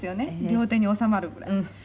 両手に収まるぐらいが」